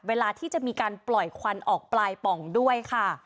เวลาที่จะมีการปล่อยควันออกปลายป่องด้วยค่ะ